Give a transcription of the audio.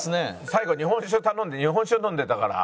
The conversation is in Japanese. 最後日本酒頼んで日本酒飲んでたから。